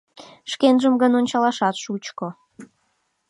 Шкенжым гын ончалашат шучко.